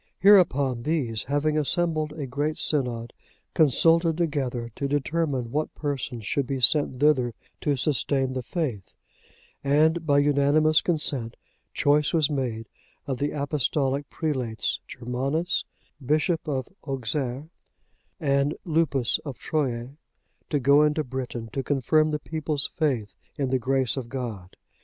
Hereupon, these, having assembled a great synod, consulted together to determine what persons should be sent thither to sustain the faith, and by unanimous consent, choice was made of the apostolic prelates, Germanus, Bishop of Auxerre, and Lupus of Troyes,(93) to go into Britain to confirm the people's faith in the grace of God.